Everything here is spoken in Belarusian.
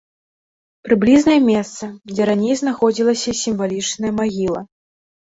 Прыблізнае месца, дзе раней знаходзілася сімвалічная магіла.